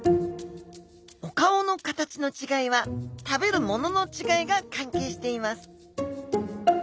お顔の形の違いは食べるものの違いが関係しています